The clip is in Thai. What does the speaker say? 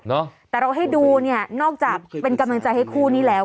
แต่เราให้ดูเนี่ยนอกจากเป็นกำลังใจให้คู่นี้แล้ว